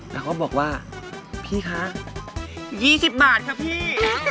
แล้วก็บอกว่าพี่คะ๒๐บาทครับพี่